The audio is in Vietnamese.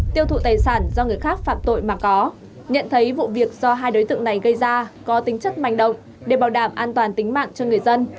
tiêu thụ tài sản do người khác phạm tội mà có nhận thấy vụ việc do hai đối tượng này gây ra có tính chất manh động để bảo đảm an toàn tính mạng cho người dân